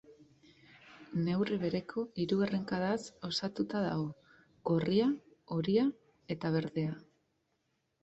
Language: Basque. Neurri bereko hiru errenkadaz osatuta dago: gorria, horia eta berdea.